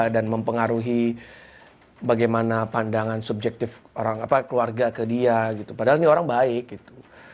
dan mempengaruhi bagaimana pandangan subjektif orang apa keluarga ke dia gitu padahal nih orang baik gitu